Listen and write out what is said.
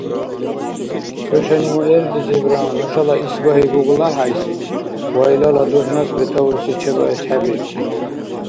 ХӀушани муэрлизибра нушала исбагьи ГуглахӀяйс ва илала дурхӀнас бетаурси чебаэс хӀебирки.